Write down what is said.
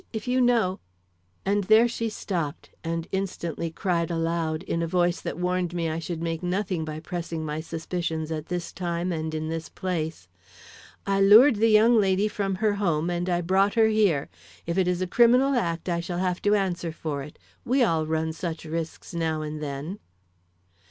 If you know " And there she stopped; and instantly cried aloud, in a voice that warned me I should make nothing by pressing my suspicions at this time and in this place, "I lured the young lady from her home and I brought her here. If it is a criminal act I shall have to answer for it. We all run such risks now and then."